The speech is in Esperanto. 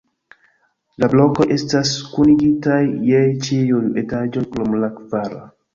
La blokoj estas kunigitaj je ĉiuj etaĝoj krom la kvara.